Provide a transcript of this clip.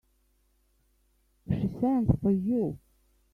She sends for you.